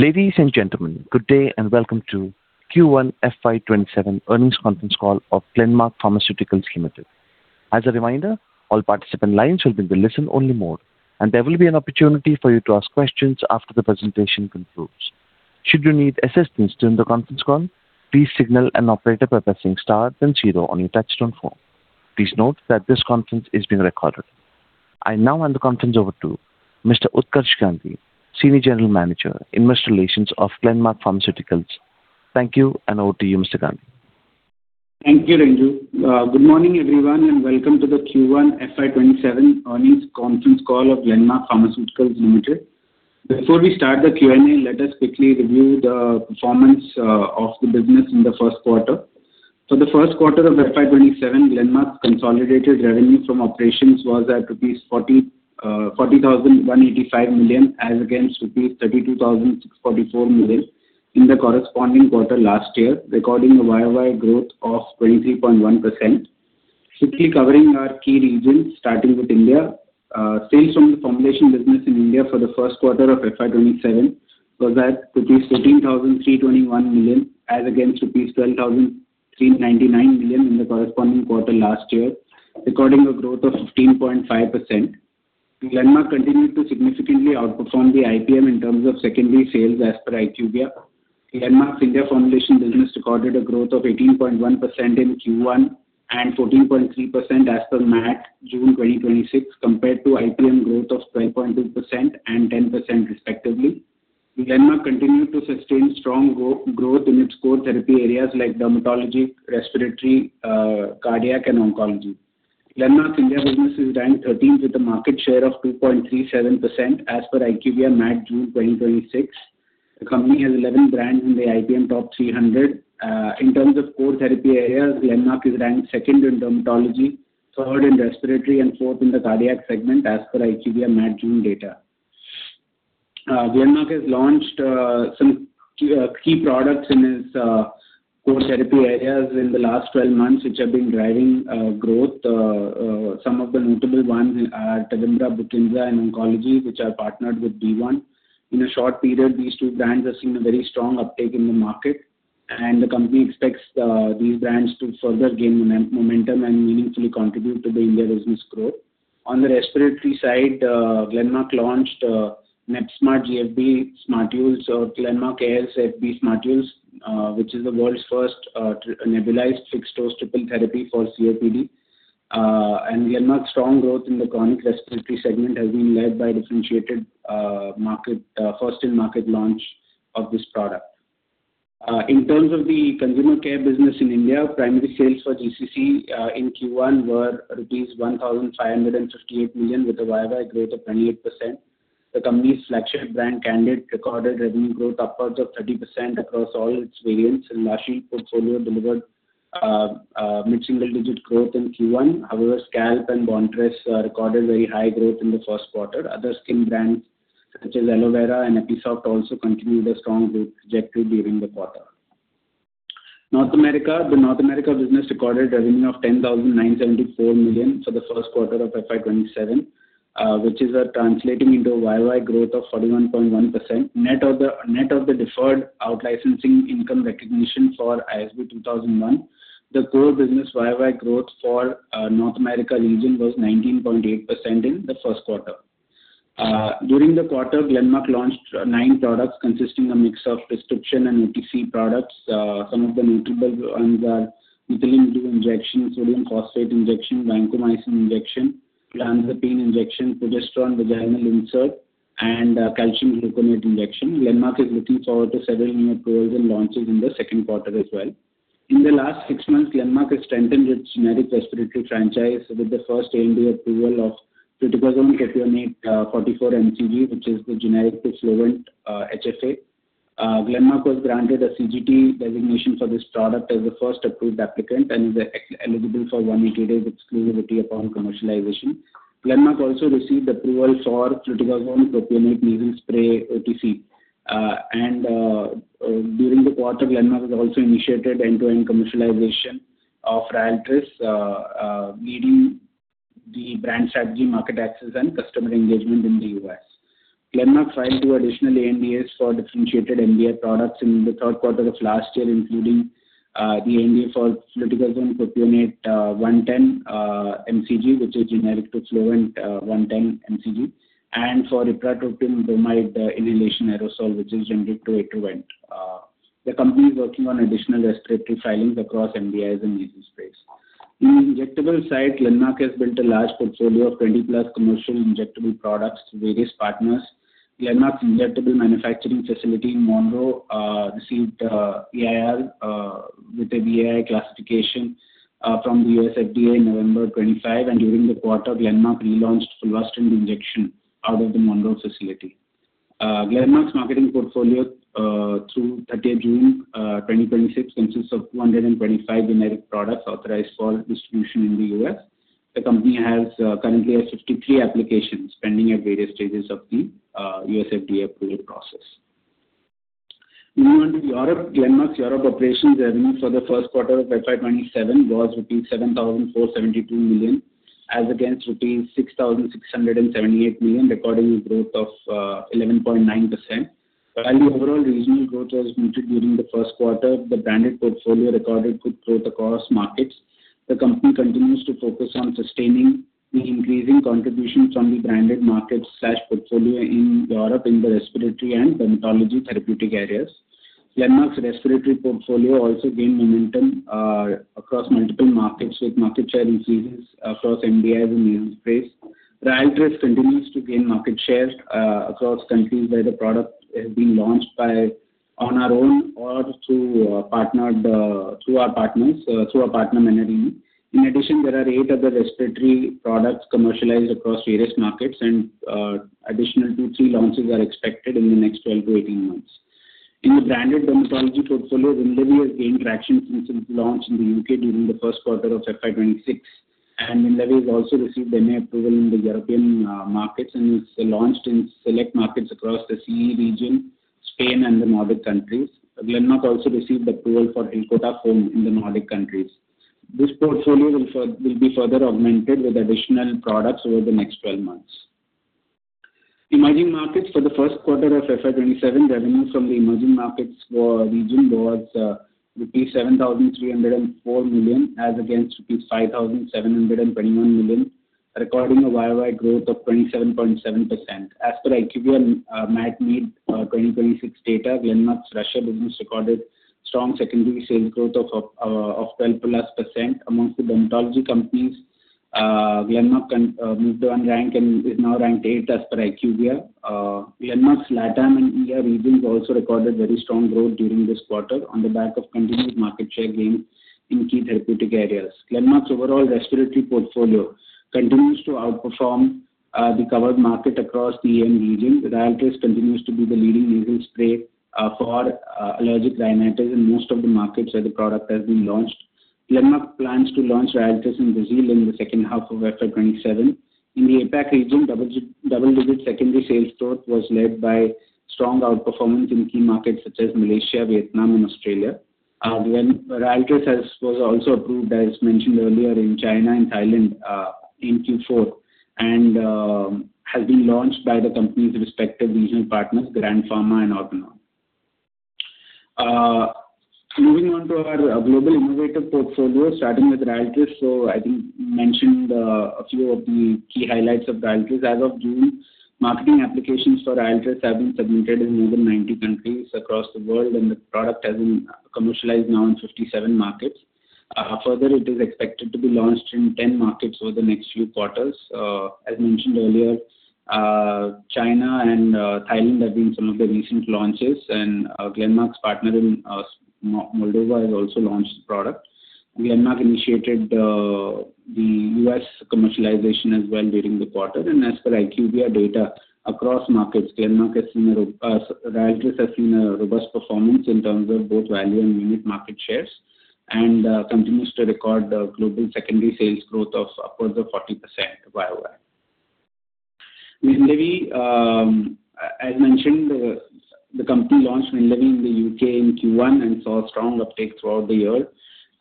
Ladies and gentlemen, good day and welcome to Q1 FY 2027 earnings conference call of Glenmark Pharmaceuticals Limited. As a reminder, all participant lines will be in listen only mode and there will be an opportunity for you to ask questions after the presentation concludes. Should you need assistance during the conference call, please signal an operator by pressing star then zero on your touchtone phone. Please note that this conference is being recorded. I now hand the conference over to Mr. Utkarsh Gandhi, Senior General Manager, Investor Relations of Glenmark Pharmaceuticals. Thank you, and over to you Mr. Gandhi. Thank you, Renju. Good morning, everyone, and welcome to the Q1 FY 2027 earnings conference call of Glenmark Pharmaceuticals Limited. Before we start the Q&A, let us quickly review the performance of the business in the first quarter. For the first quarter of FY 2027, Glenmark's consolidated revenue from operations was at rupees 40,185 million, as against rupees 32,644 million in the corresponding quarter last year. Recording a year-over-year growth of 23.1%. Quickly covering our key regions, starting with India. Sales from the formulation business in India for the first quarter of FY 2027 was at rupees 13,321 million as against rupees 12,399 million in the corresponding quarter last year, recording a growth of 15.5%. Glenmark continued to significantly outperform the IPM in terms of secondary sales as per IQVIA. Glenmark India formulation business recorded a growth of 18.1% in Q1 and 14.3% as per MAT June 2026, compared to IPM growth of 12.2% and 10% respectively. Glenmark continued to sustain strong growth in its core therapy areas like dermatology, respiratory, cardiac, and oncology. Glenmark India business is ranked 13th with a market share of 2.37% as per IQVIA MAT June 2026. The company has 11 brands in the IPM top 300. In terms of core therapy areas, Glenmark is ranked second in dermatology, third in respiratory and fourth in the cardiac segment as per IQVIA MAT June data. Glenmark has launched some key products in its core therapy areas in the last 12 months, which have been driving growth. Some of the notable ones are TEVIMBRA, BRUKINSA, and oncology, which are partnered with D1. In a short period, these two brands have seen a very strong uptake in the market, and the company expects these brands to further gain momentum and meaningfully contribute to the India business growth. On the respiratory side, Glenmark launched Nebzmart GFB Smartules, or Glenmark Airz FB Smartules, which is the world's first nebulized fixed-dose triple therapy for COPD. Glenmark's strong growth in the chronic respiratory segment has been led by differentiated first-in-market launch of this product. In terms of the consumer care business in India, primary sales for GCC in Q1 were rupees 1,558 million with a year-over-year growth of 28%. The company's flagship brand, Candid, recorded revenue growth upwards of 30% across all its variants, and La Shield portfolio delivered mid-single digit growth in Q1. However, Scalpe and Bontress recorded very high growth in the first quarter. Other skin brands such as Aloe Vera and Episoft also continued a strong growth trajectory during the quarter. North America. The North America business recorded revenue of 10,974 million for the first quarter of FY 2027, which is translating into a year-over-year growth of 41.1%. Net of the deferred out licensing income recognition for ISB 2001, the core business year-over-year growth for North America region was 19.8% in the first quarter. During the quarter, Glenmark launched nine products consisting a mix of prescription and OTC products. Some of the notable ones are Epinephrine Injection, sodium phosphate injection, vancomycin injection, clindamycin injection, progesterone vaginal insert, and calcium gluconate injection. Glenmark is looking forward to several new approvals and launches in the second quarter as well. In the last six months, Glenmark has strengthened its generic respiratory franchise with the first ANDA approval of fluticasone propionate 44 mcg, which is the generic to Flovent HFA. Glenmark was granted a Competitive Generic Therapy designation for this product as the first approved applicant and is eligible for 180 days exclusivity upon commercialization. Glenmark also received approval for fluticasone propionate nasal spray OTC. During the quarter, Glenmark has also initiated end-to-end commercialization of RYALTRIS, leading the brand strategy, market access, and customer engagement in the U.S. Glenmark filed two additional ANDAs for differentiated NDA products in the third quarter of last year, including the ANDA for fluticasone propionate 110 mcg, which is generic to Flovent 110 mcg, and for ipratropium bromide inhalation aerosol, which is generic to Atrovent. The company is working on additional respiratory filings across NDAs and nasal sprays. In injectable side, Glenmark has built a large portfolio of 20+ commercial injectable products to various partners. Glenmark's injectable manufacturing facility in Monroe, received PAI with a VAI classification from the U.S. FDA in November 2025, and during the quarter, Glenmark relaunched Fulvestrant injection out of the Monroe facility. Glenmark's marketing portfolio through 30th June 2026 consists of 225 generic products authorized for distribution in the U.S. The company has currently 63 applications pending at various stages of the U.S. FDA approval process. Moving on to Europe. Glenmark's Europe operations revenue for the first quarter of FY 2027 was rupees 7,472 million, as against rupees 6,678 million, recording a growth of 11.9%. While the overall regional growth was muted during the first quarter, the branded portfolio recorded good growth across markets. The company continues to focus on sustaining the increasing contributions from the branded markets/portfolio in Europe in the respiratory and dermatology therapeutic areas. Glenmark's respiratory portfolio also gained momentum, across multiple markets with market share increases across MDI and nasal spray. RYALTRIS continues to gain market shares across countries where the product has been launched by, on our own or through our partners, through our partner Menarini. In addition, there are eight other respiratory products commercialized across various markets, and additional two, three launches are expected in the next 12 to 18 months. In the branded dermatology portfolio, WINLEVI has gained traction since its launch in the U.K. during the first quarter of FY 2026, and WINLEVI has also received MA approval in the European markets and is launched in select markets across the CE region, Spain, and the Nordic countries. Glenmark also received approval for Elcota cream in the Nordic countries. This portfolio will be further augmented with additional products over the next 12 months. Emerging markets for the first quarter of FY 2027, revenue from the emerging markets region was rupees 7,304 million, as against rupees 5,721 million, recording a year-over-year growth of 27.7%. As per IQVIA Mat-Mid 2026 data, Glenmark's Russia business recorded strong secondary sales growth of 12%+ amongst the dermatology companies. Glenmark moved one rank and is now ranked eighth as per IQVIA. Glenmark's LATAM and EMEA regions also recorded very strong growth during this quarter on the back of continued market share gains in key therapeutic areas. Glenmark's overall respiratory portfolio continues to outperform the covered market across the EMEA region. RYALTRIS continues to be the leading nasal spray for allergic rhinitis in most of the markets where the product has been launched. Glenmark plans to launch RYALTRIS in Brazil in the second half of FY 2027. In the APAC region, double-digit secondary sales growth was led by strong outperformance in key markets such as Malaysia, Vietnam, and Australia. RYALTRIS was also approved, as mentioned earlier in China and Thailand in Q4 and has been launched by the company's respective regional partners, Grand Pharma and Alcon. Moving on to our global innovative portfolio, starting with RYALTRIS. I think we mentioned a few of the key highlights of RYALTRIS. As of June, marketing applications for RYALTRIS have been submitted in more than 90 countries across the world, and the product has been commercialized now in 57 markets. Further, it is expected to be launched in 10 markets over the next few quarters. As mentioned earlier, China and Thailand have been some of the recent launches, and Glenmark's partner in Moldova has also launched the product. Glenmark initiated the U.S. commercialization as well during the quarter. As per IQVIA data, across markets, RYALTRIS has seen a robust performance in terms of both value and unit market shares and continues to record global secondary sales growth of upwards of 40% year-over-year. WINLEVI, as mentioned the company launched WINLEVI in the U.K. in Q1 and saw strong uptake throughout the year.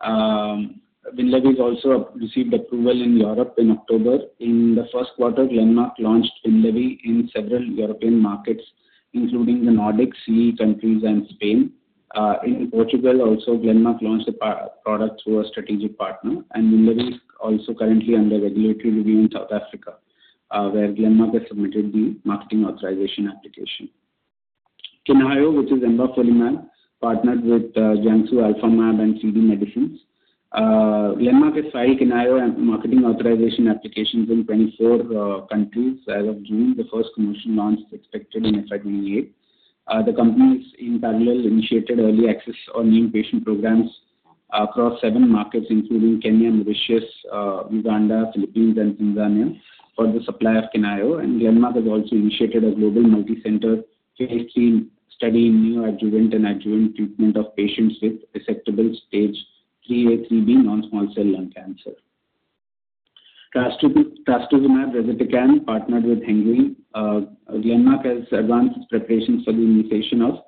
WINLEVI has also received approval in Europe in October. In the first quarter, Glenmark launched WINLEVI in several European markets, including the Nordics, CE countries, and Spain. In Portugal also, Glenmark launched the product through a strategic partner, and WINLEVI is also currently under regulatory review in South Africa, where Glenmark has submitted the marketing authorization application. QiNHAYO, which is envafolimab, partnered with Jiangsu Alphamab and 3D Medicines. Glenmark has filed QiNHAYO marketing authorization applications in 24 countries as of June. The first commercial launch is expected in FY 2028. The companies in parallel initiated early access or named patient programs across seven markets, including Kenya, Mauritius, Uganda, Philippines, and Tanzania, for the supply of QiNHAYO. Glenmark has also initiated a global multicenter phase III study in neoadjuvant and adjuvant treatment of patients with resectable stage IIIA/IIIB non-small cell lung cancer. Trastuzumab Rezetecan partnered with Hengrui Pharma. Glenmark has advanced its preparations for the initiation of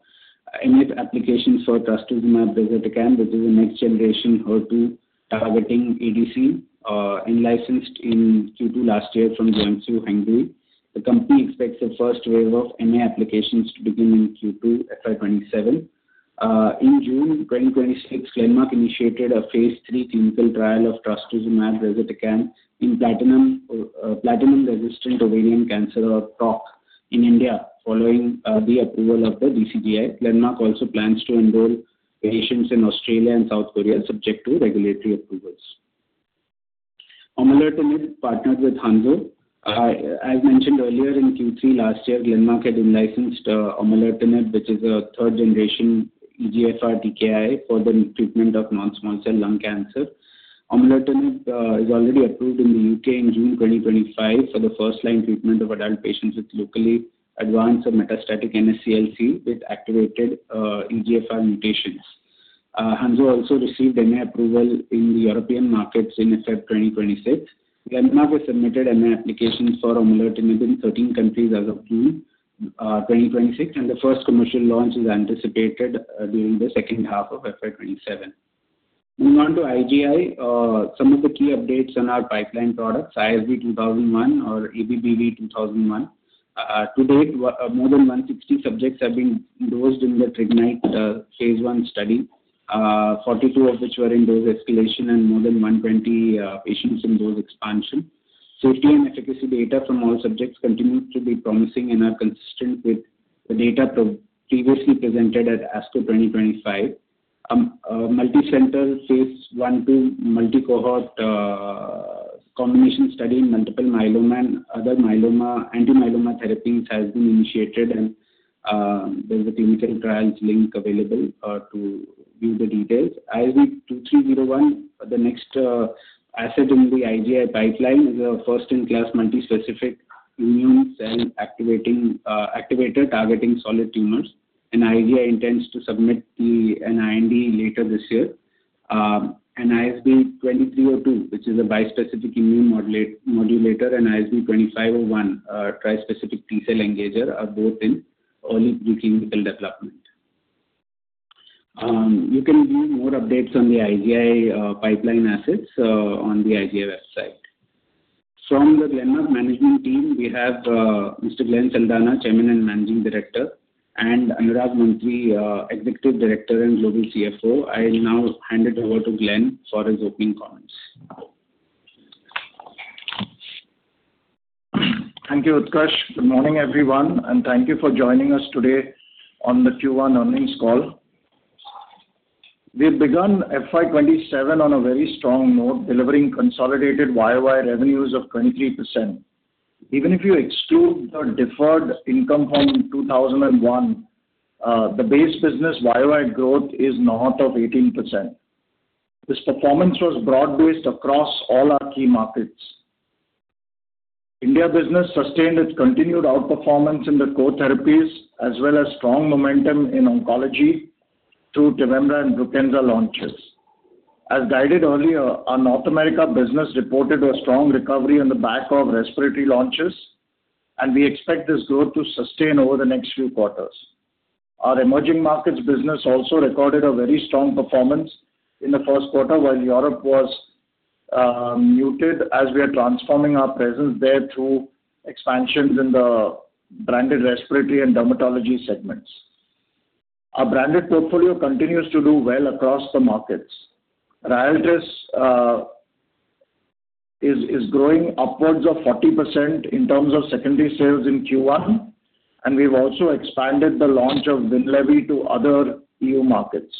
MA applications for Trastuzumab Rezetecan, which is a next-generation HER2 targeting ADC, and licensed in Q2 last year from Jiangsu Hengrui Pharmaceuticals. The company expects the first wave of MA applications to begin in Q2 FY 2027. In June 2026, Glenmark initiated a phase III clinical trial of Trastuzumab Rezetecan in platinum-resistant ovarian cancer or PROC in India, following the approval of the DCGI. Glenmark also plans to enroll patients in Australia and South Korea, subject to regulatory approvals. Aumolertinib, partnered with Hansoh. As mentioned earlier, in Q3 last year, Glenmark had licensed Aumolertinib, which is a third-generation EGFR TKI for the treatment of NSCLC. Aumolertinib is already approved in the U.K. in June 2025 for the first-line treatment of adult patients with locally advanced or metastatic NSCLC with activated EGFR mutations. Hansoh Pharma also received MA approval in the European markets in FY 2026. Glenmark has submitted MA applications for in 13 countries as of June 2026, and the first commercial launch is anticipated during the second half of FY 2027. Moving on to IGI, some of the key updates on our pipeline products, ISB 2001 or ABBV-2001. To date, more than 160 subjects have been dosed in the TRIgnite-1 phase I study, 42 of which were in dose escalation and more than 120 patients in dose expansion. Safety and efficacy data from all subjects continues to be promising and are consistent with the data previously presented at ASCO 2026. A multicenter phase I, phase II multicohort combination study in multiple myeloma and other anti-myeloma therapies has been initiated and there is a clinical trials link available to view the details. ISB 2301, the next asset in the IGI pipeline is a first-in-class multispecific immune cell activator targeting solid tumors, and IGI intends to submit an IND later this year. ISB 2302, which is a bispecific immune modulator, and ISB 2501, a trispecific T-cell engager, are both in early preclinical development. You can view more updates on the IGI pipeline assets on the IGI website. From the Glenmark management team, we have Mr. Glenn Saldanha, Chairman and Managing Director, and Anurag Mantri, Executive Director and Global CFO. I will now hand it over to Glenn for his opening comments. Thank you, Utkarsh. Good morning, everyone, thank you for joining us today on the Q1 earnings call. We have begun FY 2027 on a very strong note, delivering consolidated year-over-year revenues of 23%. Even if you exclude the deferred income from ISB 2001, the base business year-over-year growth is north of 18%. This performance was broad-based across all our key markets. India business sustained its continued outperformance in the core therapies, as well as strong momentum in oncology through TEVIMBRA and BRUKINSA launches. As guided earlier, our North America business reported a strong recovery on the back of respiratory launches, and we expect this growth to sustain over the next few quarters. Our emerging markets business also recorded a very strong performance in the first quarter while Europe was muted as we are transforming our presence there through expansions in the branded respiratory and dermatology segments. Our branded portfolio continues to do well across the markets. RYALTRIS is growing upwards of 40% in terms of secondary sales in Q1. We've also expanded the launch of WINLEVI to other EU markets.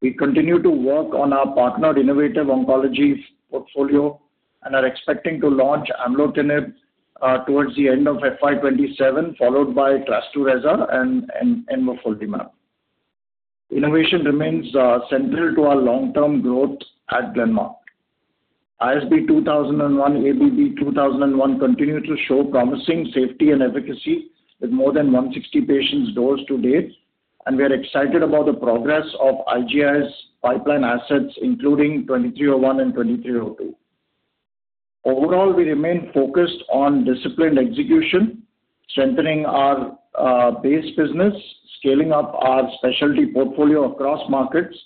We continue to work on our partnered innovative oncology portfolio and are expecting to launch Aumolertinib towards the end of FY 2027, followed by TRASTUZUMAB and envafolimab. Innovation remains central to our long-term growth at Glenmark. ISB 2001, ABBV-2001 continue to show promising safety and efficacy with more than 160 patients dosed to date, and we are excited about the progress of IGI's pipeline assets, including 2301 and 2302. We remain focused on disciplined execution, strengthening our base business, scaling up our specialty portfolio across markets,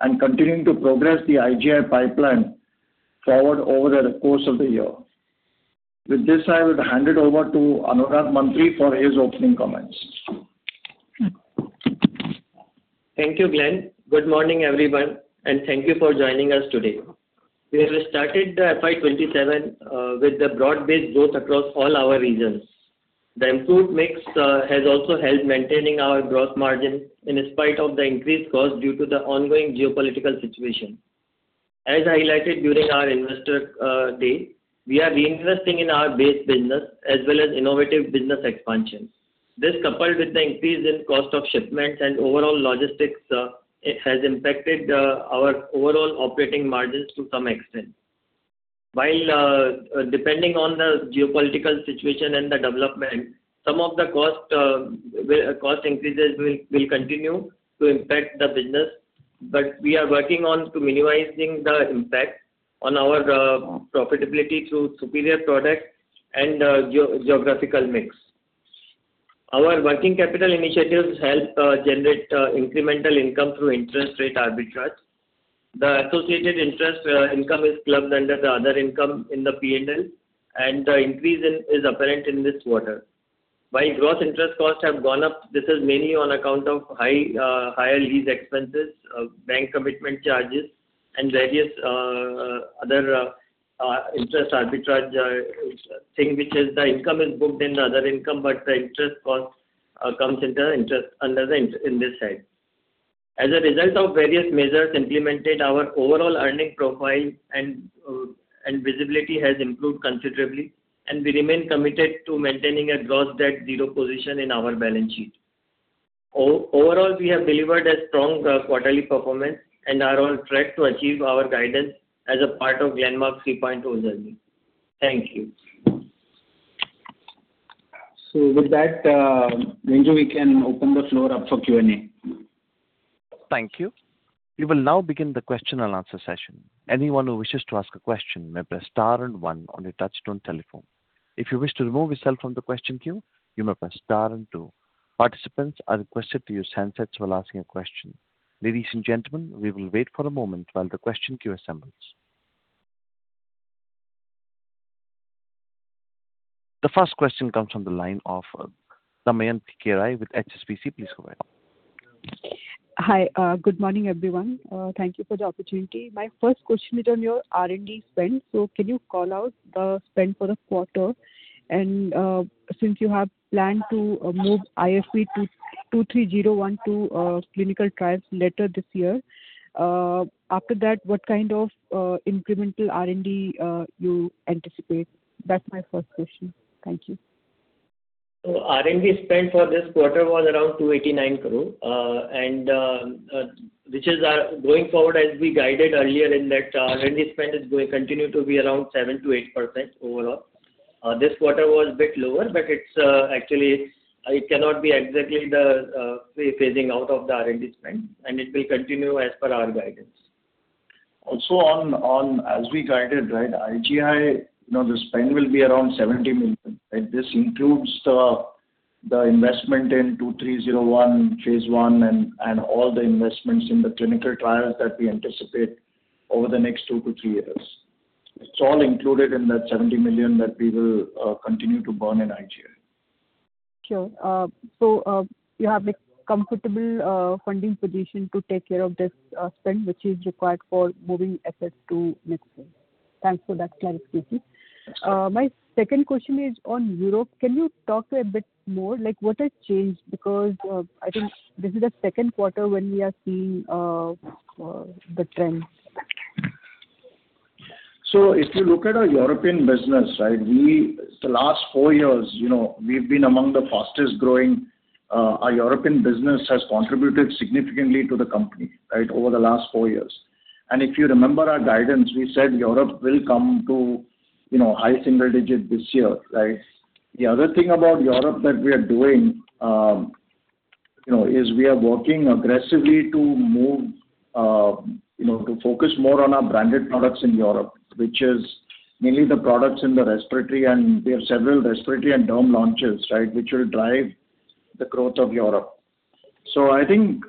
and continuing to progress the IGI pipeline forward over the course of the year. With this, I would hand it over to Anurag Mantri for his opening comments. Thank you, Glenn. Good morning, everyone, and thank you for joining us today. We have started the FY 2027 with the broad-based growth across all our regions. The improved mix has also helped maintaining our growth margin in spite of the increased cost due to the ongoing geopolitical situation. As highlighted during our investor day, we are reinvesting in our base business as well as innovative business expansion. This, coupled with the increase in cost of shipments and overall logistics, has impacted our overall operating margins to some extent. Depending on the geopolitical situation and the development, some of the cost increases will continue to impact the business, but we are working on minimizing the impact on our profitability through superior product and geographical mix. Our working capital initiatives help generate incremental income through interest rate arbitrage. The associated interest income is clubbed under the other income in the P&L and the increase is apparent in this quarter. Gross interest costs have gone up, this is mainly on account of higher lease expenses, bank commitment charges and various other interest arbitrage, which is the income is booked in the other income, but the interest cost comes under the interest in this side. As a result of various measures implemented, our overall earning profile and visibility has improved considerably and we remain committed to maintaining a gross debt zero position in our balance sheet. We have delivered a strong quarterly performance and are on track to achieve our guidance as a part of Glenmark 3.0 journey. Thank you. With that, Renju, we can open the floor up for Q&A. Thank you. We will now begin the question and answer session. Anyone who wishes to ask a question may press star and one on your touch-tone telephone. If you wish to remove yourself from the question queue, you may press star and two. Participants are requested to use handsets while asking a question. Ladies and gentlemen, we will wait for a moment while the question queue assembles. The first question comes from the line of Damayanti Kerai with HSBC. Please go ahead. Hi. Good morning, everyone. Thank you for the opportunity. My first question is on your R&D spend. Can you call out the spend for the quarter? Since you have planned to move ISB 2301 to clinical trials later this year. After that, what kind of incremental R&D you anticipate? That's my first question. Thank you. R&D spend for this quarter was around 289 crore, which is going forward as we guided earlier in that R&D spend is going to continue to be around 7%-8% overall. This quarter was a bit lower. Actually, it cannot be exactly the phasing out of the R&D spend, it will continue as per our guidance. Also, as we guided IGI, the spend will be around 70 million. This includes the investment in ISB 2301 phase I and all the investments in the clinical trials that we anticipate over the next two to three years. It's all included in that 70 million that we will continue to burn in IGI. Sure. You have a comfortable funding position to take care of this spend, which is required for moving assets to next phase. Thanks for that clarification. My second question is on Europe. Can you talk a bit more? Like, what has changed? I think this is the second quarter when we are seeing the trend. If you look at our European business, Our European business has contributed significantly to the company over the last four years. If you remember our guidance, we said Europe will come to high single digit this year. The other thing about Europe that we are doing. Is we are working aggressively to focus more on our branded products in Europe, which is mainly the products in the respiratory. We have several respiratory and derm launches which will drive the growth of Europe. I think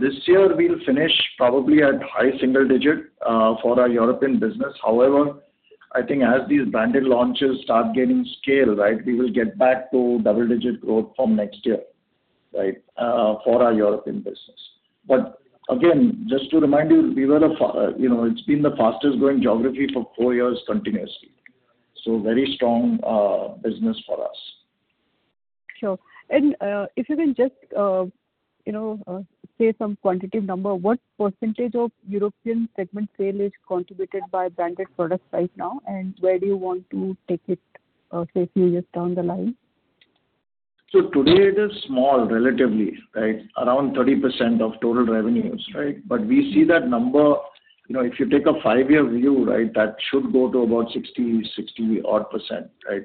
this year we'll finish probably at high single digit for our European business. However, I think as these branded launches start gaining scale, we will get back to double-digit growth from next year for our European business. Again, just to remind you, it's been the fastest-growing geography for four years continuously. Very strong business for us. Sure. If you can just say some quantitative number, what percentage of European segment sale is contributed by branded products right now, and where do you want to take it, say, a few years down the line? Today it is small, relatively. Around 30% of total revenues. We see that number, if you take a five-year view, that should go to about 60% odd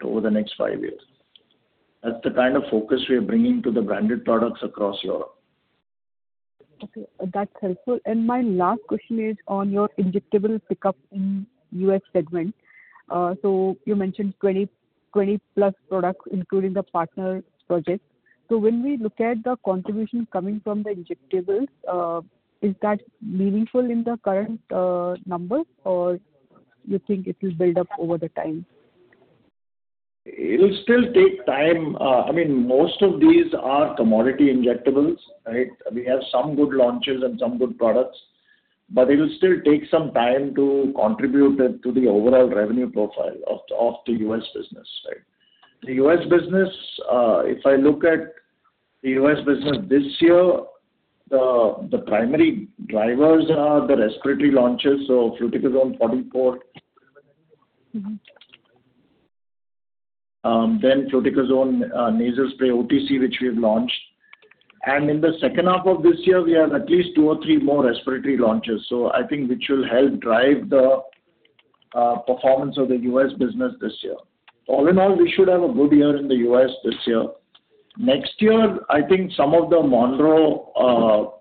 over the next five years. That's the kind of focus we are bringing to the branded products across Europe. Okay. That's helpful. My last question is on your injectable pickup in U.S. segment. You mentioned 20+ products, including the partner projects. When we look at the contribution coming from the injectables is that meaningful in the current numbers, or you think it will build up over time? It'll still take time. Most of these are commodity injectables. We have some good launches and some good products, but it will still take some time to contribute to the overall revenue profile of the U.S. business. If I look at the U.S. business this year, the primary drivers are the respiratory launches, fluticasone 44. Fluticasone nasal spray OTC, which we have launched. In the second half of this year, we have at least two or three more respiratory launches, I think which will help drive the performance of the U.S. business this year. All in all, we should have a good year in the U.S. this year. Next year, I think some of the Monroe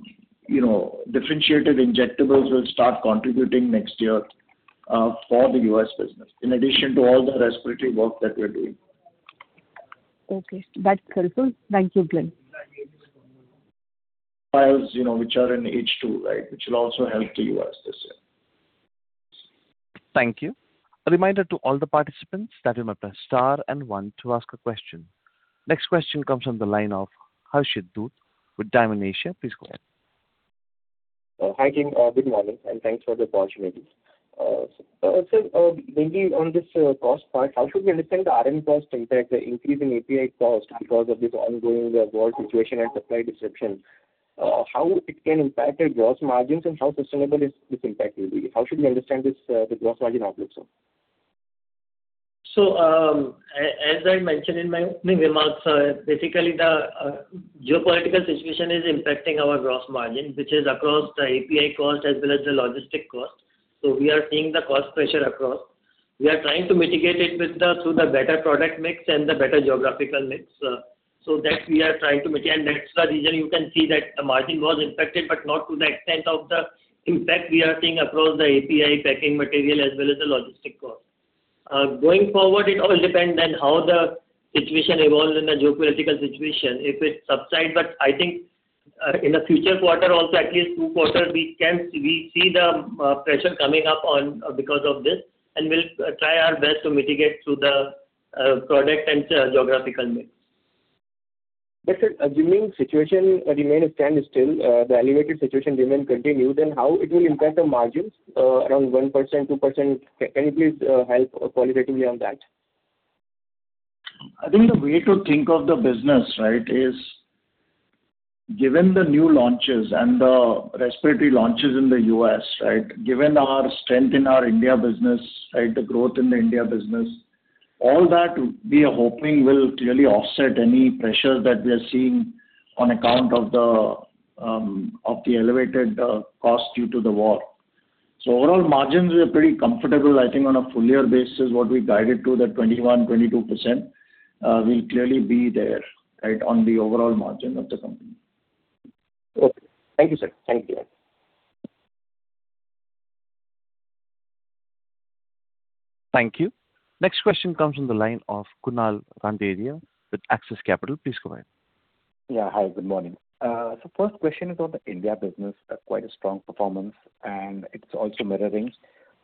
differentiated injectables will start contributing next year for the U.S. business in addition to all the respiratory work that we're doing. Okay. That's helpful. Thank you, Glenn. Files, which are in H2, which will also help the U.S. this year. Thank you. A reminder to all the participants that you may press star and one to ask a question. Next question comes from the line of Harshit Dhoot with Dymon Asia Capital. Please go ahead. Hi, Glenn. Good morning, and thanks for the opportunity. Maybe on this cost part, how should we understand the RM cost impact, the increase in API cost because of this ongoing war situation and supply disruption? How it can impact our gross margins, and how sustainable this impact will be? How should we understand this, the gross margin outlook, sir? As I mentioned in my opening remarks, basically the geopolitical situation is impacting our gross margin, which is across the API cost as well as the logistic cost. We are seeing the cost pressure across. We are trying to mitigate it through the better product mix and the better geographical mix. That we are trying to mitigate. That's the reason you can see that the margin was impacted, but not to the extent of the impact we are seeing across the API packing material as well as the logistic cost. Going forward, it all depends on how the situation evolves in the geopolitical situation if it subside. I think in the future quarter, also at least two quarters, we see the pressure coming up on because of this, and we'll try our best to mitigate through the product and geographical mix. Sir, assuming situation remains stand still, the elevated situation remain continue, how it will impact the margins around 1%, 2%? Can you please help qualitatively on that? I think the way to think of the business is given the new launches and the respiratory launches in the U.S. Given our strength in our India business, the growth in the India business, all that we are hoping will clearly offset any pressure that we are seeing on account of the elevated cost due to the war. Overall margins, we are pretty comfortable. I think on a full year basis, what we guided to the 21%, 22% will clearly be there on the overall margin of the company. Okay. Thank you, sir. Thank you. Thank you. Next question comes from the line of Kunal Randeria with Axis Capital. Please go ahead. Hi, good morning. First question is on the India business, quite a strong performance, and it's also mirroring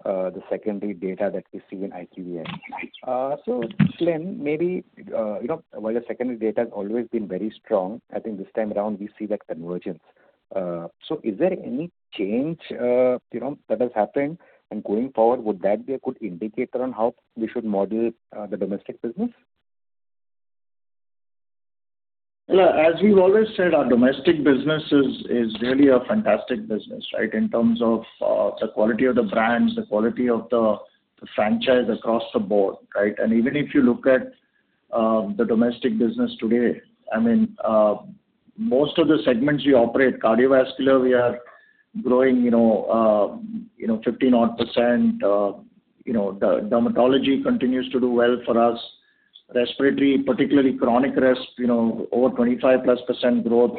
the secondary data that we see in IQVIA. Glenn, maybe while the secondary data has always been very strong, I think this time around we see that convergence. Is there any change that has happened? Going forward, would that be a good indicator on how we should model the domestic business? As we've always said, our domestic business is really a fantastic business. In terms of the quality of the brands, the quality of the franchise across the board. Even if you look at the domestic business today, most of the segments we operate cardiovascular, we are growing 15% odd. Dermatology continues to do well for us. Respiratory, particularly chronic resp over 25%+ growth.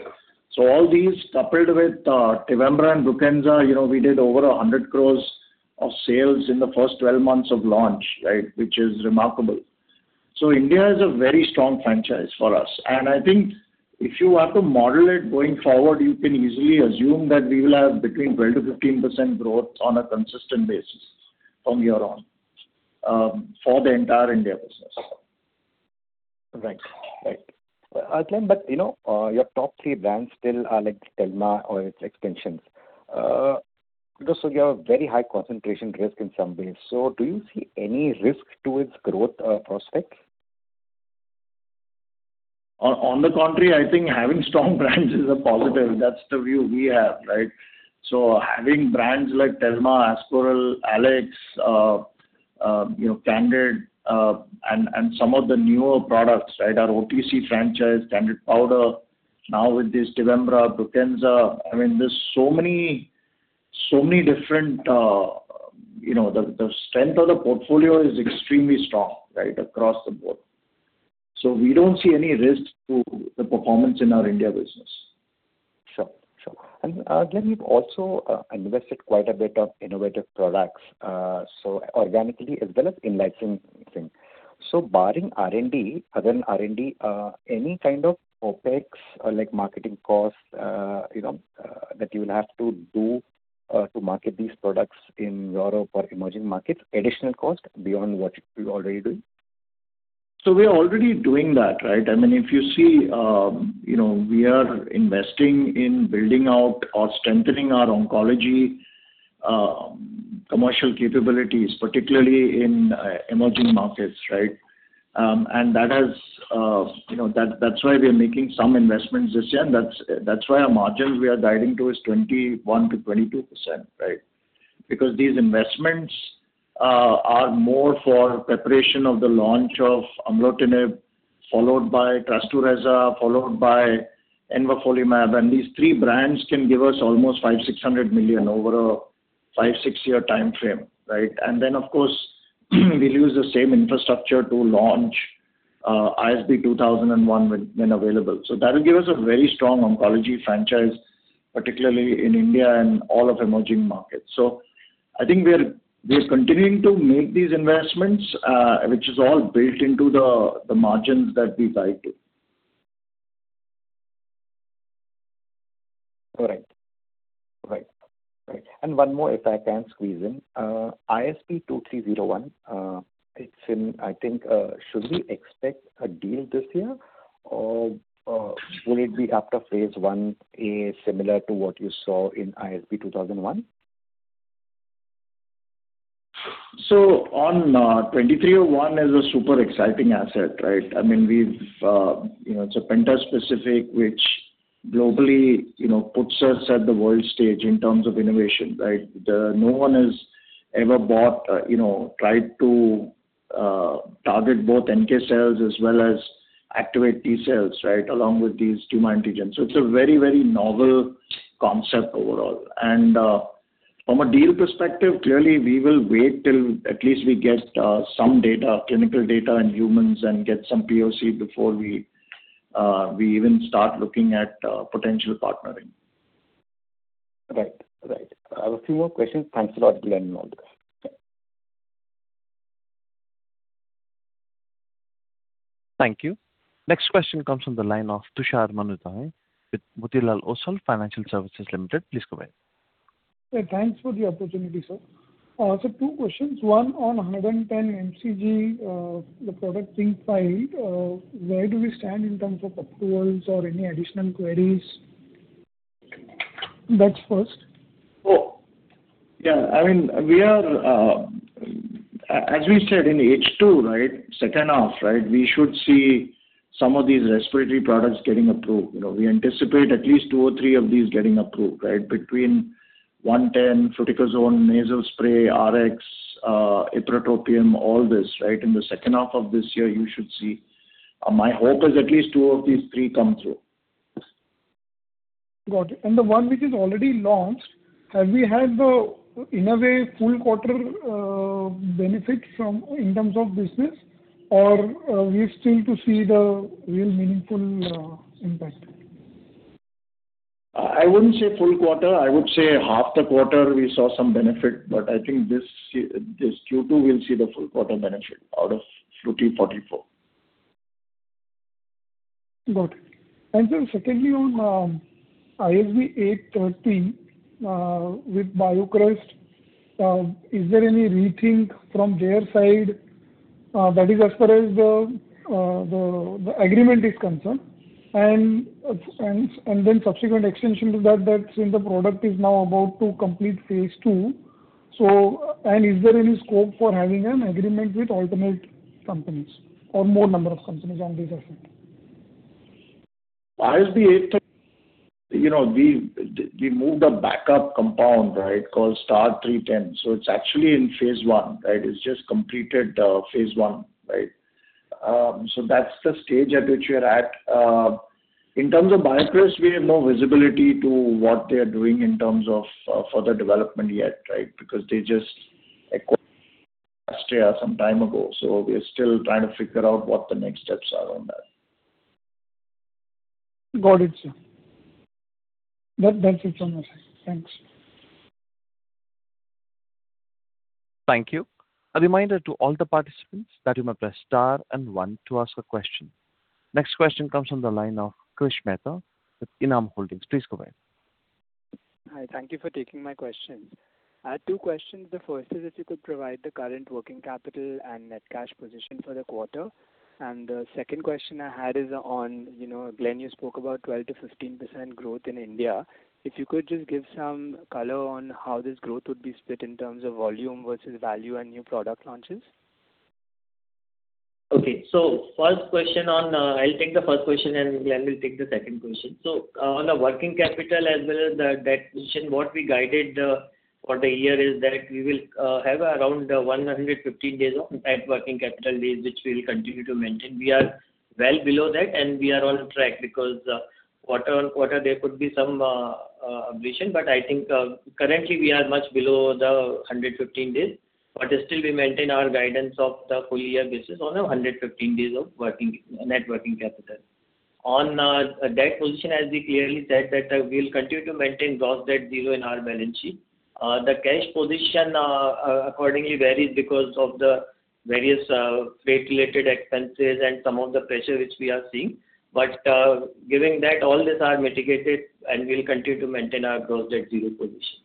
All these coupled with TEVIMBRA and BRUKINSA, we did over 100 crores of sales in the first 12 months of launch. Which is remarkable. India is a very strong franchise for us. I think if you have to model it going forward, you can easily assume that we will have between 12%-15% growth on a consistent basis from here on for the entire India business. Right. Glenn, your top three brands still are like Telma or its extensions. You have a very high concentration risk in some ways. Do you see any risk to its growth prospect? On the contrary, I think having strong brands is a positive. That's the view we have. Having brands like Telma, Ascoril, Alex, Candid, and some of the newer products. Our OTC franchise, Candid Powder. Now with this TEVIMBRA, BRUKINSA. The strength of the portfolio is extremely strong across the board. We don't see any risk to the performance in our India business. Sure. Glenn, you've also invested quite a bit of innovative products, organically as well as in licensing. Barring R&D, other than R&D any kind of OpEx like marketing costs that you'll have to do to market these products in Europe or emerging markets, additional cost beyond what you're already doing? We are already doing that. If you see we are investing in building out or strengthening our oncology commercial capabilities, particularly in emerging markets. That's why we are making some investments this year, that's why our margins we are guiding to is 21%-22%. These investments are more for preparation of the launch of Aumolertinib, followed Trastuzumab Rezetecan, followed by envafolimab. These three brands can give us almost 500 million-600 million over a five, six year timeframe. Then, of course, we'll use the same infrastructure to launch ISB 2001 when available. That'll give us a very strong oncology franchise, particularly in India and all of emerging markets. I think we are continuing to make these investments, which is all built into the margins that we guide to. All right. One more, if I can squeeze in. ISB 2301, should we expect a deal this year or will it be after phase I is similar to what you saw in ISB 2001? On 2301, is a super exciting asset. It's a pentaspecific, which globally puts us at the world stage in terms of innovation. No one has ever tried to target both NK cells as well as activate T cells, along with these tumor antigens. It's a very novel concept overall. From a deal perspective, clearly we will wait till at least we get some clinical data in humans and get some POC before we even start looking at potential partnering. Right. I have a few more questions. Thanks a lot, Glenn and Anurag. Thank you. Next question comes from the line of Tushar Manudhane with Motilal Oswal Financial Services Limited. Please go ahead. Yeah, thanks for the opportunity, sir. Sir, two questions. One on 110 mcg, the product 358. Where do we stand in terms of approvals or any additional queries? That's first. Oh, yeah. As we said, in H2, second half, we should see some of these respiratory products getting approved. We anticipate at least two or three of these getting approved. Between 110, fluticasone, nasal spray, RX, ipratropium, all this. In the second half of this year, you should see. My hope is at least two of these three come through. Got it. The one which is already launched, have we had in a way, full quarter benefit in terms of business, or are we still to see the real meaningful impact? I wouldn't say full quarter. I would say half the quarter, we saw some benefit, but I think this Q2 we'll see the full quarter benefit out of fluticasone 44. Got it. Secondly, on ISB 830 with BioCryst is there any rethink from their side? That is as far as the agreement is concerned, then subsequent extension to that, since the product is now about to complete phase II. Is there any scope for having an agreement with alternate companies or more number of companies on this aspect? ISB 830. We moved a backup compound, called STAR-0310. It's actually in phase I. It's just completed phase I. That's the stage at which we're at. In terms of BioCryst, we have no visibility to what they're doing in terms of further development yet, because they just acquired Azista some time ago. We are still trying to figure out what the next steps are on that. Got it, sir. That's it from my side. Thanks. Thank you. A reminder to all the participants that you may press star and one to ask a question. Next question comes from the line of Krish Mehta with Enam Holdings. Please go ahead. Hi, thank you for taking my question. I had two questions. The first is if you could provide the current working capital and net cash position for the quarter. The second question I had is on, Glenn, you spoke about 12%-15% growth in India. If you could just give some color on how this growth would be split in terms of volume versus value and new product launches. Okay. I'll take the first question. Glenn will take the second question. On the working capital as well as the debt position, what we guided for the year is that we will have around 115 days of net working capital days, which we'll continue to maintain. We are well below that, and we are on track because quarter on quarter, there could be some ambition. I think, currently we are much below the 115 days. Still, we maintain our guidance of the full year basis on the 115 days of net working capital. On debt position, as we clearly said, that we'll continue to maintain gross debt zero in our balance sheet. The cash position accordingly varies because of the various freight-related expenses and some of the pressure which we are seeing. Given that, all these are mitigated, and we'll continue to maintain our gross debt zero position.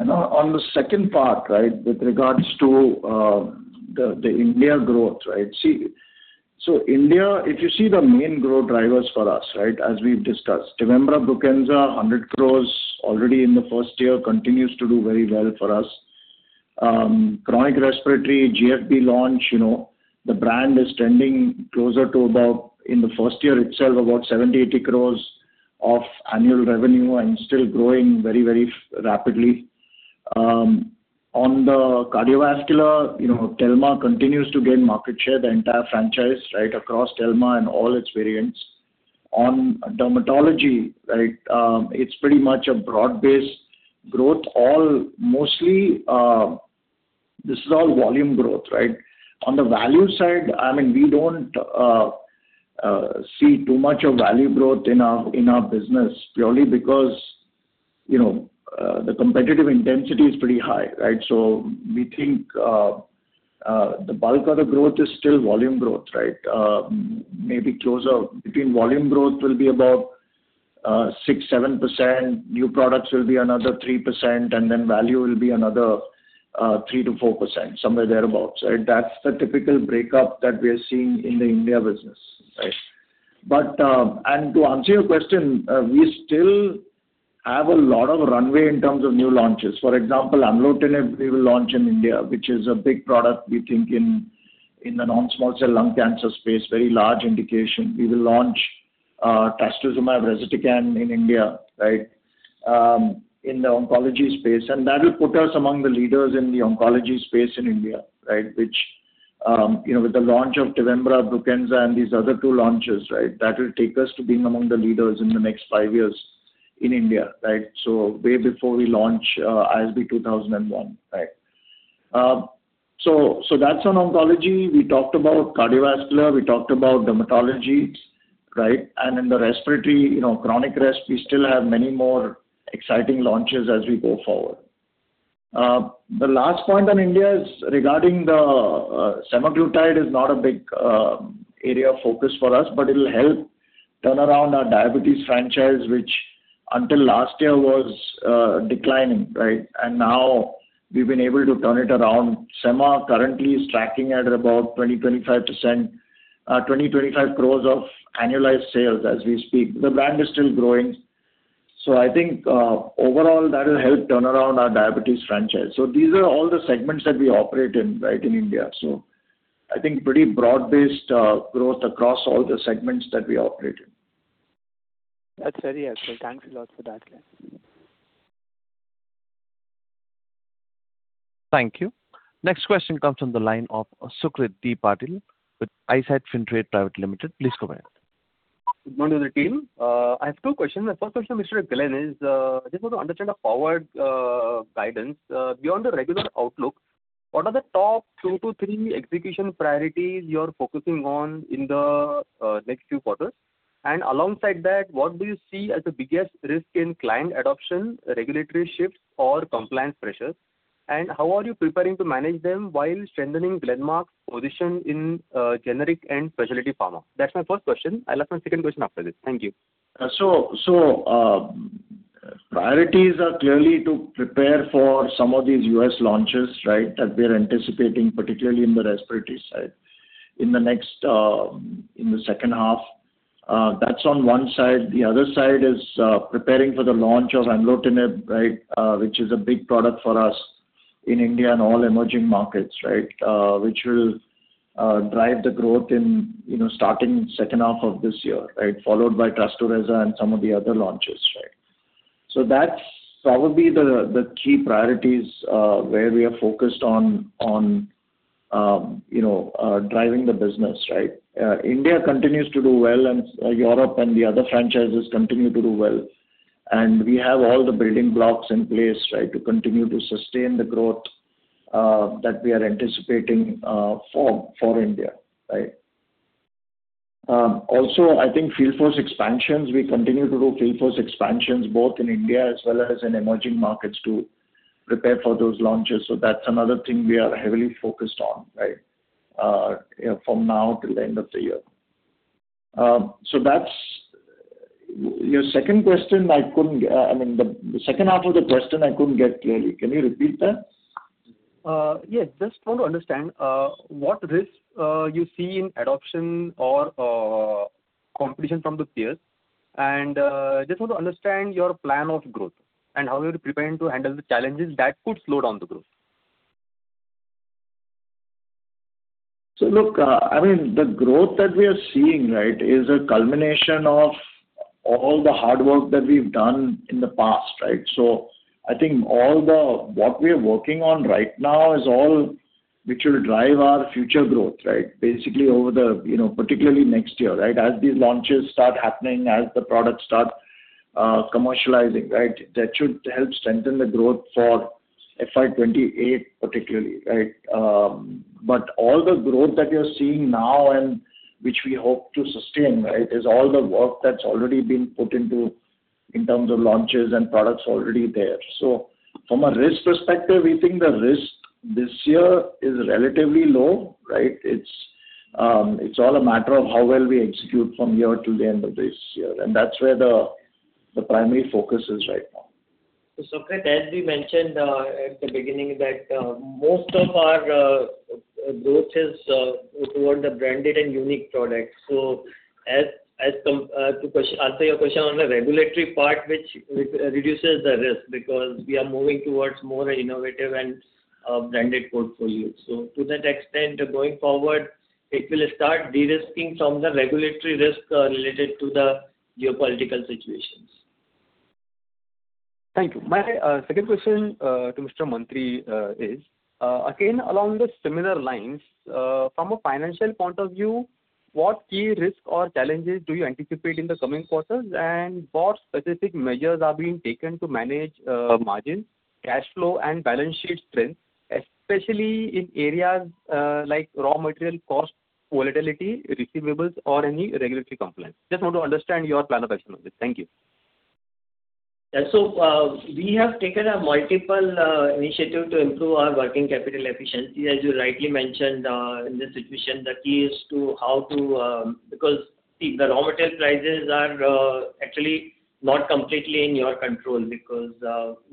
On the second part, with regards to the India growth. India, if you see the main growth drivers for us, as we've discussed. TEVIMBRA BRUKINSA, 100 crore already in the first year, continues to do very well for us. Chronic respiratory, GFB launch. The brand is trending closer to about, in the first year itself, about 70-80 crore of annual revenue and still growing very rapidly. On the cardiovascular, Telma continues to gain market share, the entire franchise across Telma and all its variants. On dermatology, it's pretty much a broad-based growth. Mostly, this is all volume growth. On the value side, we don't see too much of value growth in our business, purely because the competitive intensity is pretty high. We think the bulk of the growth is still volume growth. Maybe closer between volume growth will be about 6%, 7%, new products will be another 3%, and value will be another 3%-4%, somewhere thereabouts. That's the typical breakup that we are seeing in the India business. To answer your question, we still have a lot of runway in terms of new launches. For example, [Aumolertinib] we will launch in India, which is a big product we think in the non-small cell lung cancer space, very large indication. We will launch Trastuzumab Rezetecan in India, in the oncology space. That will put us among the leaders in the oncology space in India. With the launch of TEVIMBRA, BRUKINSA, and these other two launches, that will take us to being among the leaders in the next five years in India. Way before we launch ISB 2001. That's on oncology. We talked about cardiovascular, we talked about dermatology. In the respiratory, chronic resp, we still have many more exciting launches as we go forward. The last point on India is regarding the semaglutide is not a big area of focus for us, but it'll help turn around our diabetes franchise, which until last year was declining. Now we've been able to turn it around. Sema currently is tracking at about 20-25 crores of annualized sales as we speak. The brand is still growing. I think, overall, that will help turn around our diabetes franchise. These are all the segments that we operate in India. I think pretty broad-based growth across all the segments that we operate in. That's very helpful. Thanks a lot for that, Glenn. Thank you. Next question comes from the line of Sukrit D. Patil with Eyesight Fintrade Private Limited. Please go ahead. Good morning to the team. I have two questions. The first question, Mr. Glenn, is I just want to understand the forward guidance. Beyond the regular outlook, what are the top two to three execution priorities you're focusing on in the next few quarters? Alongside that, what do you see as the biggest risk in client adoption, regulatory shifts, or compliance pressures? How are you preparing to manage them while strengthening Glenmark's position in generic and specialty pharma? That's my first question. I'll ask my second question after this. Thank you. Priorities are clearly to prepare for some of these U.S. launches that we are anticipating, particularly in the respiratory side in the second half. That's on one side. The other side is preparing for the launch of Aumolertinib, which is a big product for us in India and all emerging markets. It will drive the growth in starting second half of this year. Followed by Trozida and some of the other launches. That's probably the key priorities, where we are focused on driving the business. India continues to do well, and Europe and the other franchises continue to do well. We have all the building blocks in place to continue to sustain the growth that we are anticipating for India. I think field force expansions. We continue to do field force expansions both in India as well as in emerging markets to prepare for those launches. That's another thing we are heavily focused on from now till the end of the year. Your second question, the second half of the question I couldn't get clearly. Can you repeat that? I just want to understand, what risk you see in adoption or competition from the peers. I just want to understand your plan of growth and how you're preparing to handle the challenges that could slow down the growth. Look, the growth that we are seeing is a culmination of all the hard work that we've done in the past. I think what we are working on right now is all which will drive our future growth, particularly next year. As these launches start happening, as the products start commercializing, that should help strengthen the growth for FY 2028 particularly. All the growth that you're seeing now and which we hope to sustain is all the work that's already been put into in terms of launches and products already there. From a risk perspective, we think the risk this year is relatively low. It's all a matter of how well we execute from here till the end of this year, and that's where the primary focus is right now. Sukrit, as we mentioned, at the beginning that most of our growth is toward the branded and unique product. As to answer your question on the regulatory part, which reduces the risk because we are moving towards more innovative and branded portfolio. To that extent, going forward, it will start de-risking from the regulatory risk related to the geopolitical situations. Thank you. My second question to Mr. Mantri is again, along the similar lines. From a financial point of view, what key risks or challenges do you anticipate in the coming quarters, and what specific measures are being taken to manage margin, cash flow, and balance sheet strength, especially in areas like raw material cost volatility, receivables, or any regulatory compliance? I just want to understand your plan of action on this. Thank you. We have taken a multiple initiative to improve our working capital efficiency. As you rightly mentioned, in this situation the key is how to Because the raw material prices are actually not completely in your control because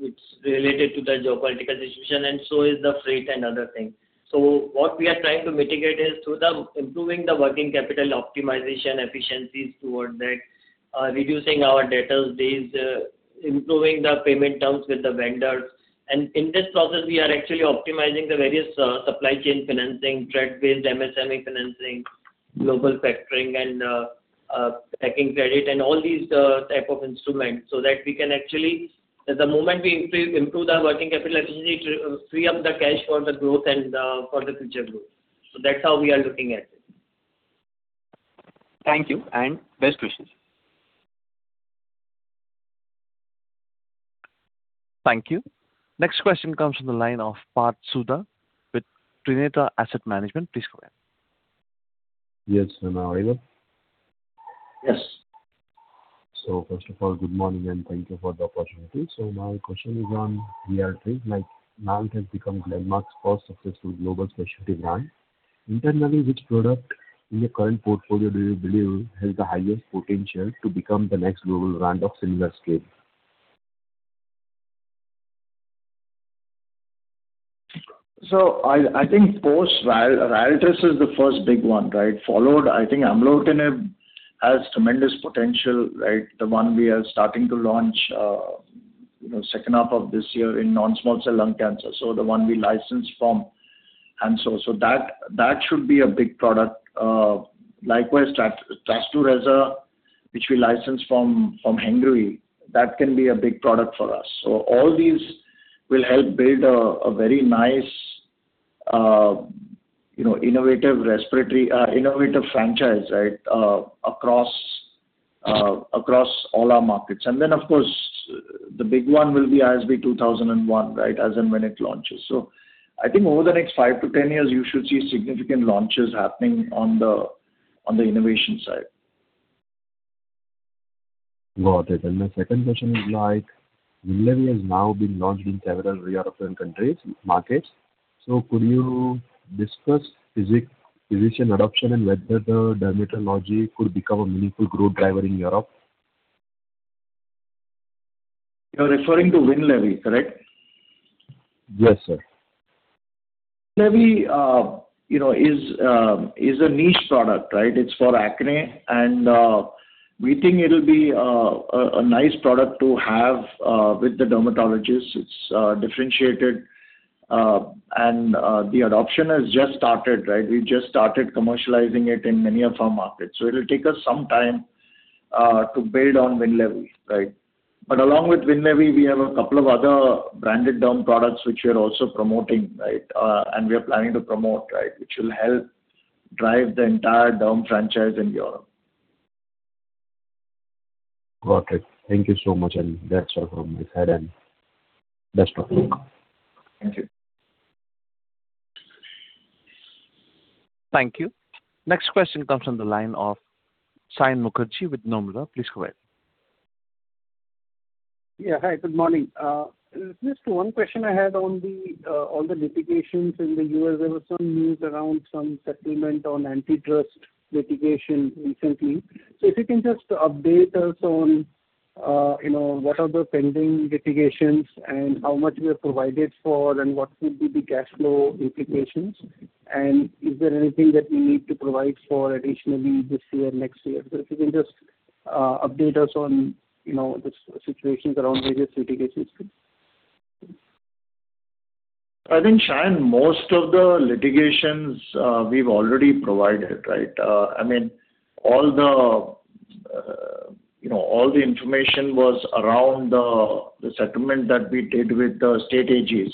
it's related to the geopolitical situation and so is the freight and other things. What we are trying to mitigate is through improving the working capital optimization efficiencies towards that, reducing our debtors days, improving the payment terms with the vendors. In this process, we are actually optimizing the various supply chain financing, trade-based MSME financing, Global factoring and packing credit and all these type of instruments, so that we can actually improve the working capital efficiency to free up the cash for the growth and for the future growth. That's how we are looking at it. Thank you, and best wishes. Thank you. Next question comes from the line of Parth Sudha with Trinita Asset Management. Please go ahead. Am I audible? Yes. First of all, good morning, and thank you for the opportunity. My question is on RYALTRIS. Now it has become Glenmark's first successful global specialty brand. Internally, which product in your current portfolio do you believe has the highest potential to become the next global brand of similar scale? I think post RYALTRIS is the first big one. Followed, I think amlodipine has tremendous potential. The one we are starting to launch second half of this year in non-small cell lung cancer. The one we licensed from Hansoh Pharma. That should be a big product. Likewise, trastuzumab, which we licensed from Hengrui Pharma, that can be a big product for us. All these will help build a very nice innovative franchise across all our markets. Of course, the big one will be ISB 2001 as and when it launches. I think over the next five to 10 years, you should see significant launches happening on the innovation side. Got it. My second question is WINLEVI has now been launched in several European countries, markets. Could you discuss physician adoption and whether the dermatology could become a meaningful growth driver in Europe? You're referring to WINLEVI, correct? Yes, sir. WINLEVI is a niche product. It's for acne, and we think it'll be a nice product to have with the dermatologists. It's differentiated. The adoption has just started. We just started commercializing it in many of our markets. It'll take us some time to build on WINLEVI. Along with WINLEVI, we have a couple of other branded derm products which we are also promoting, and we are planning to promote, which will help drive the entire derm franchise in Europe. Got it. Thank you so much. That's all from my side, best of luck. Thank you. Thank you. Next question comes from the line of Saion Mukherjee with Nomura. Please go ahead. Yeah. Hi, good morning. Just one question I had on the litigations in the U.S. There was some news around some settlement on antitrust litigation recently. If you can just update us on what are the pending litigations and how much we have provided for and what will be the cash flow implications. Is there anything that we need to provide for additionally this year, next year? If you can just update us on the situations around various litigations, please. I think, Saion, most of the litigations we've already provided. All the information was around the settlement that we did with the state AGs.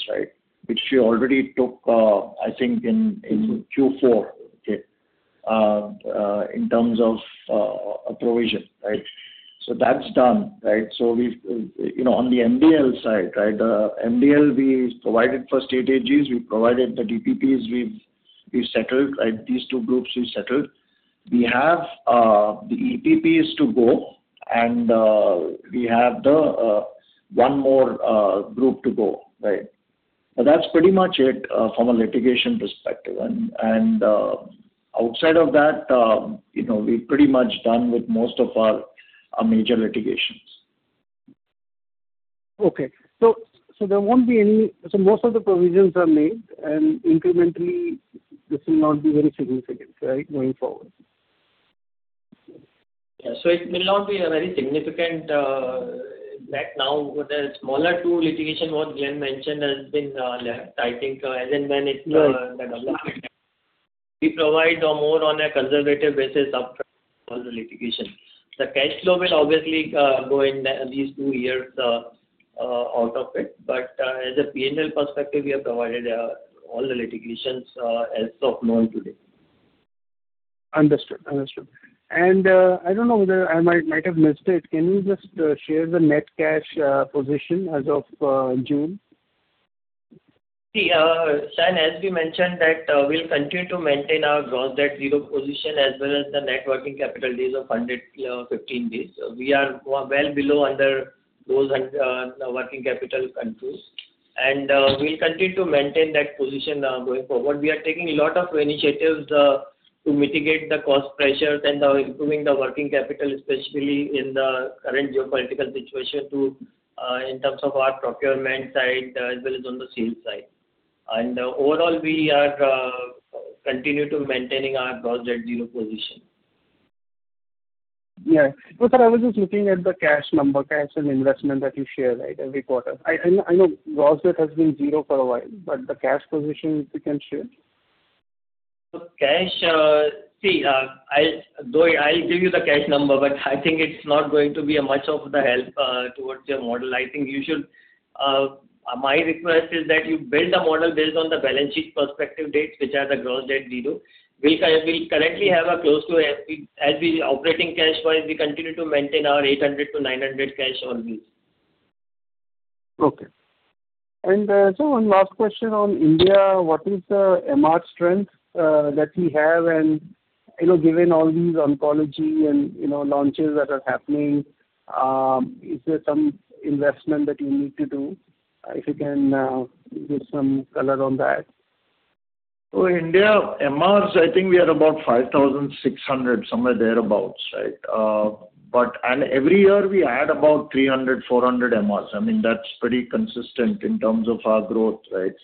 Which we already took, I think, in Q4 in terms of a provision. That's done. On the MDL side, MDL, we provided for state AGs, we provided the DPAs, we've settled these two groups. We have the EPPs to go, and we have one more group to go. That's pretty much it from a litigation perspective. Outside of that, we're pretty much done with most of our major litigations. Okay. Most of the provisions are made, and incrementally this will not be very significant going forward. Yeah. It will not be a very significant net now. The smaller two litigation what Glenn mentioned has been left, I think, as and when it. We provide more on a conservative basis up front for the litigation. The cash flow will obviously go in these two years out of it. As a P&L perspective, we have provided all the litigations as of now today. Understood. I don't know, I might have missed it. Can you just share the net cash position as of June? Saion, as we mentioned that we'll continue to maintain our gross debt zero position as well as the net working capital days of 115 days. We are well below under those working capital controls, we'll continue to maintain that position going forward. We are taking a lot of initiatives to mitigate the cost pressures and improving the working capital, especially in the current geopolitical situation too in terms of our procurement side as well as on the sales side. Overall, we are continuing to maintaining our gross debt zero position. Yeah. Sir, I was just looking at the cash number, cash and investment that you share every quarter. I know gross debt has been zero for a while, the cash position, if you can share? Cash. I'll give you the cash number, I think it's not going to be much of a help towards your model. My request is that you build a model based on the balance sheet perspective dates, which are the gross debt zero. We currently have a close to as the operating cash flow, we continue to maintain our 800-900 cash always. Okay. Sir, one last question on India, what is the MR strength that we have given all these oncology and launches that are happening. Is there some investment that you need to do? If you can give some color on that. India MRs, I think we are about 5,600, somewhere thereabouts. Every year we add about 300, 400 MRs. That's pretty consistent in terms of our growth rates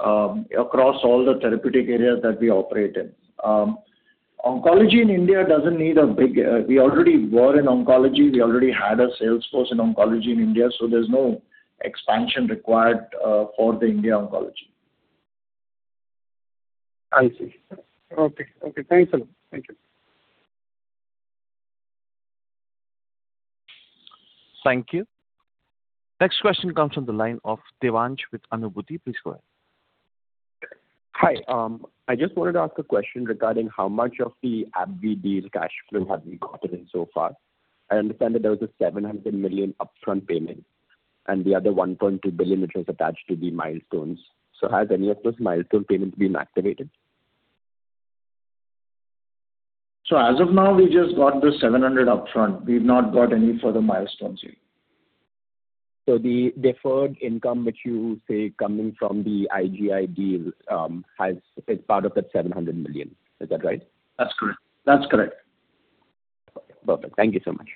across all the therapeutic areas that we operate in. Oncology in India doesn't need a big. We already were in oncology. We already had a salesforce in oncology in India, there's no expansion required for the India oncology. I see. Okay. Thanks a lot. Thank you. Thank you. Next question comes from the line of Devansh with Anabuti. Please go ahead. Hi. I just wanted to ask a question regarding how much of the AbbVie deal cash flow have you gotten in so far. I understand that there was an 700 million upfront payment and the other 1.2 billion which was attached to the milestones. Has any of those milestone payments been activated? As of now, we just got the 700 upfront. We've not got any further milestones yet. The deferred income which you say coming from the IGI deal is part of that 700 million. Is that right? That's correct. Okay. Perfect. Thank you so much.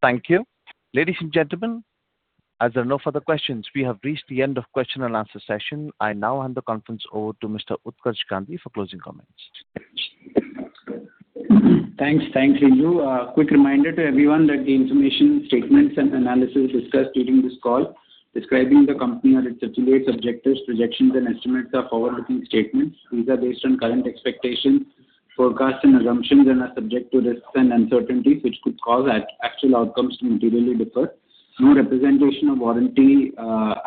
Thank you. Ladies and gentlemen, as there are no further questions, we have reached the end of question and answer session. I now hand the conference over to Mr. Utkarsh Gandhi for closing comments. Thanks, Renju. A quick reminder to everyone that the information, statements and analysis discussed during this call describing the company or its affiliates, objectives, projections and estimates are forward-looking statements. These are based on current expectations, forecasts and assumptions and are subject to risks and uncertainties, which could cause actual outcomes to materially differ. No representation or warranty,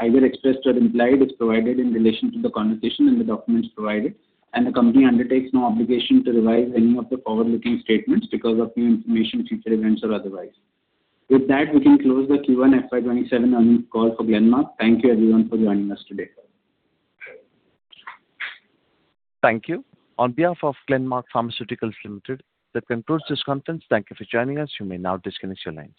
either expressed or implied is provided in relation to the conversation and the documents provided. The company undertakes no obligation to revise any of the forward-looking statements because of new information, future events or otherwise. With that, we can close the Q1 FY 2027 earnings call for Glenmark. Thank you everyone for joining us today. Thank you. On behalf of Glenmark Pharmaceuticals Limited, that concludes this conference. Thank you for joining us. You may now disconnect your lines.